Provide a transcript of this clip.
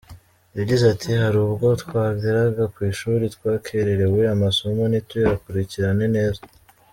Yagize ati “Hari ubwo twageraga ku ishuri twakererewe amasomo ntituyakurikirane neza.